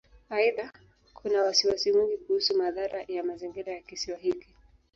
Aidha, kuna wasiwasi mwingi kuhusu madhara ya mazingira ya Kisiwa hiki.